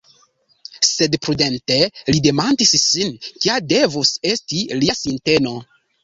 Sed prudente li demandis sin kia devus esti lia sinteno?